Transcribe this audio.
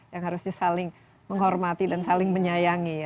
yang harusnya saling menghormati dan saling menyayangi ya